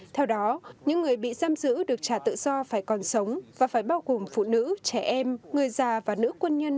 theo đó những người bị giam giữ được trả tự do phải còn sống và phải bao gồm phụ nữ trẻ em người già và nữ quân nhân